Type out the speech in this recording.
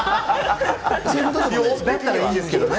だったらいいですけどね。